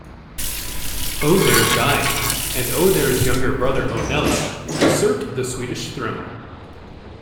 Ohthere died, and Ohthere's younger brother Onela, usurped the Swedish throne.